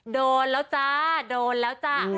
โดนแล้วจ้าโดนแล้วจ้า